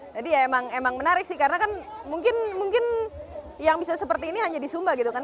jadi emang menarik sih karena kan mungkin yang bisa seperti ini hanya di sumba gitu kan